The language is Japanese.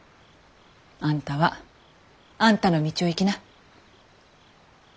あんたはあんたの道を行きな。